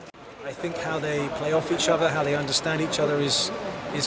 pilihan dari tim tersebut menarik dan intensif